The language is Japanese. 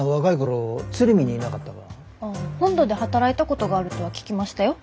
本土で働いたことがあるとは聞きましたよ。